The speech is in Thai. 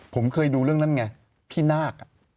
ผมเคยดูเรื่องนั้นไงพี่นาค